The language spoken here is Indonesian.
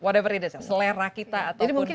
dengan dengan selera kita ataupun preferensi kita